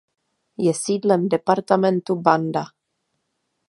Je sídlem departementu Banda.